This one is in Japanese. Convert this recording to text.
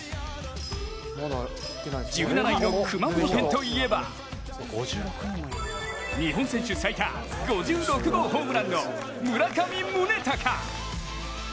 １７位の熊本県といえば日本選手最多５６号ホームランの村上宗隆！